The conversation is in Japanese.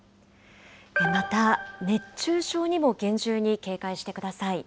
また、熱中症にも厳重に警戒してください。